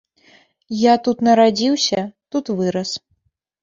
Я тут нарадзіўся, тут вырас.